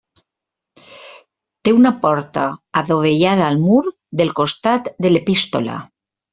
Té una porta adovellada al mur del costat de l'epístola.